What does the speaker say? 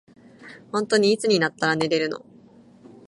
ほんとにいつになったら寝れるの。